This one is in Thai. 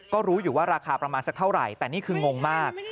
ก็รู้อยู่ว่าราคาประมาณสักเท่าไหร่แต่นี่คืองงมาก